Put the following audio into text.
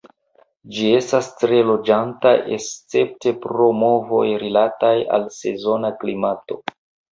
Ĝi estas tre loĝanta escepte pro movoj rilataj al sezona klimato.